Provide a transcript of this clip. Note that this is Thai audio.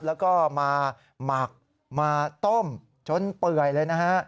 แล้วก็มาหมักมาต้มจนเปื่อยเลยนะฮะ